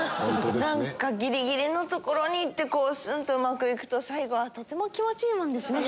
ギリギリのところにいってスンとうまくいくと最後はとても気持ちいいもんですね。